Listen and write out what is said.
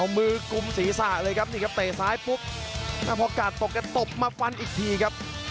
เอามือกลุ่มศีรษะเลยครับนี่ครับเตะซ้ายปุ๊บพอกาดตกก็ตบมาฟันอีกทีครับ